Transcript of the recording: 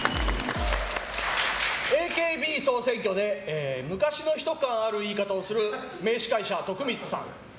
ＡＫＢ総選挙で昔の人感ある言い方をする名司会者徳光さん。